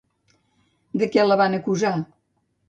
De què la van acusar?